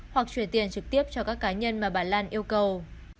hoặc chuyển tiền trực tiếp cho các cá nhân mà bà lan yêu cầu